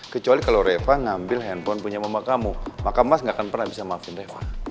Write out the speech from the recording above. kecuali kalau reva ngambil handphone punya mama kamu maka emas gak akan pernah bisa maafin reva